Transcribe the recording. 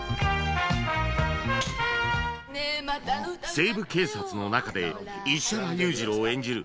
『西部警察』の中で石原裕次郎演じる